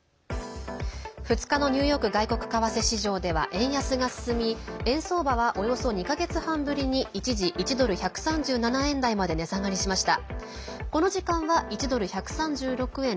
２日のニューヨーク外国為替市場では円安が進み円相場は、およそ２か月半ぶりに一時、１ドル＝１３７円台まで値下がりしました。